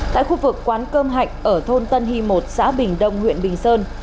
tại khu vực quán cơm hạnh ở thôn tân hy một xã bình đông huyện bình sơn